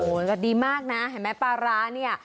โหแล้วดีมากนะฟาร้านี่